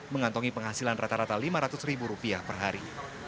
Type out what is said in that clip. mengantongi penghasilan rata rata lima ratus ribu rupiah per hari